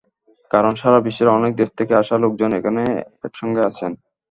কারণ, সারা বিশ্বের অনেক দেশ থেকে আসা লোকজন এখানে একসঙ্গে আছেন।